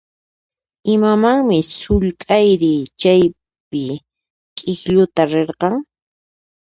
Imamanmi sullk'ayri chawpi k'iklluta rirqan?